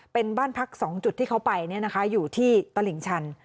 เป็นบ้านพัก๒จุดที่เขาไปอยู่ที่ตลิ่งชัน